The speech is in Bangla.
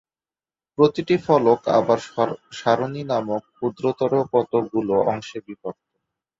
প্রতিটি ফলক আবার সারণি নামক ক্ষুদ্রতর কতগুলো অংশে বিভক্ত।